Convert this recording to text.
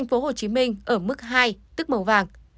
tp hcm ở mức hai tức màu vàng